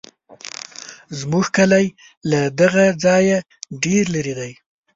زموږ کلی له دغه ځایه ډېر لرې دی.